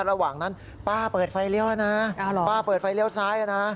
ระหว่างนั้นป้าเปิดไฟเลี้ยวนะป้าเปิดไฟเลี้ยวซ้ายนะ